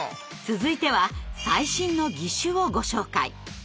続いては最新の義手をご紹介。